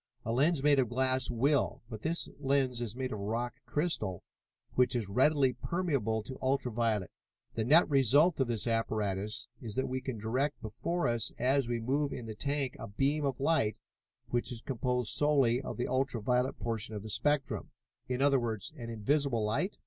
"A lens made of glass will, but this lens is made of rock crystal, which is readily permeable to ultra violet. The net result of this apparatus is that we can direct before us as we move in the tank a beam of light which is composed solely of the ultra violet portion of the spectrum." "In other words, an invisible light?"